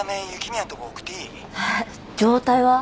えっ状態は？